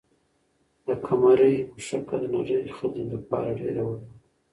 د قمرۍ مښوکه د نري خلي لپاره ډېره وړه وه.